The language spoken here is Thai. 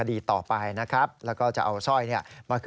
ตอนนี้เท่ากันก็มีภาพหลักฐานจากกล้องวงจักร